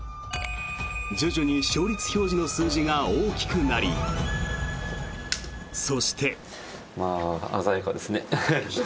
徐々に勝率表示の数字が大きくなりそして。